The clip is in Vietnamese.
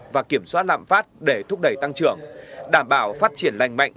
và kiểm soát lạm phát để thúc đẩy tăng trưởng đảm bảo phát triển lành mạnh